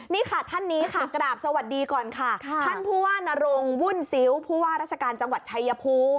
นี่ค่ะท่านนี้ค่ะกราบสวัสดีก่อนค่ะท่านผู้ว่านรงวุ่นซิ้วผู้ว่าราชการจังหวัดชายภูมิ